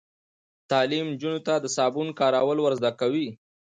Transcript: تعلیم نجونو ته د صابون کارول ور زده کوي.